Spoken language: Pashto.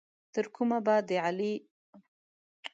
تر کومه به د علي خوټو ته اوبه ور اچوم؟